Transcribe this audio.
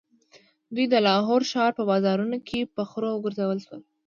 دوی د لاهور ښار په بازارونو کې په خرو وګرځول شول.